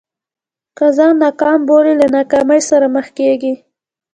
که ځان ناکام بولې له ناکامۍ سره مخ کېږې.